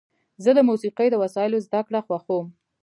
زه د موسیقۍ د وسایلو زدهکړه خوښوم.